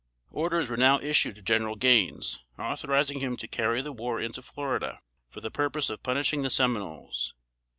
Orders were now issued to General Gaines, authorizing him to carry the war into Florida, for the purpose of punishing the Seminoles.